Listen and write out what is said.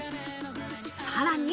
さらに。